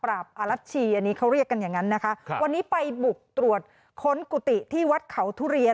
บอลรัชชีอันนี้เขาเรียกกันอย่างนั้นนะคะครับวันนี้ไปบุกตรวจค้นกุฏิที่วัดเขาทุเรียน